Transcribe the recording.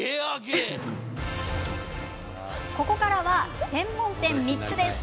ここからは、専門店３つです。